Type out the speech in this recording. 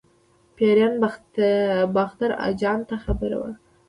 پیریان باختر اجان ته خبر ورکوي.